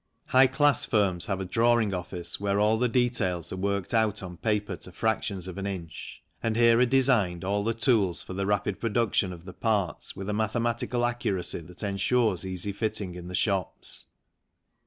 High class firms have a drawing office where all the details are worked out on paper to fractions of an inch, and here are designed all the tools for the rapid produc tion of the parts with a mathematical accuracy that ensures easy fitting in the shops.